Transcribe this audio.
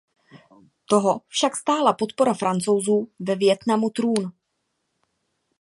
Toho však stála podpora Francouzů ve Vietnamu trůn.